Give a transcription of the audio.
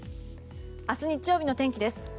明日日曜日の天気です。